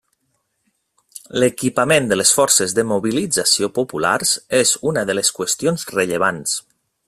L'equipament de les Forces de Mobilització Populars és una de les qüestions rellevants.